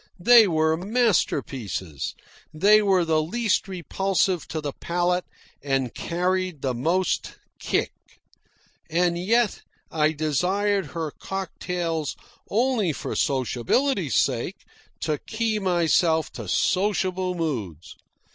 They were masterpieces. They were the least repulsive to the palate and carried the most "kick." And yet, I desired her cocktails only for sociability's sake, to key myself to sociable moods.